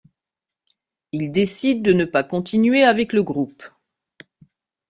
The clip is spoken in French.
Il décide de ne pas continuer avec le groupe.